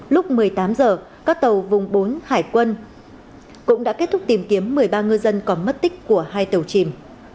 lúc một mươi tám h các tàu vùng bốn hải quân cũng đã kết thúc tìm kiếm một mươi ba ngư dân có mất tích của hai tàu chìm